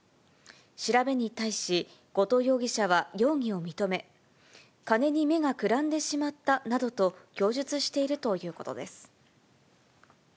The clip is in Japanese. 調べに対し、後藤容疑者は容疑を認め、金に目がくらんでしまったなどと供述しているということです。